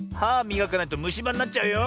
みがかないとむしばになっちゃうよ。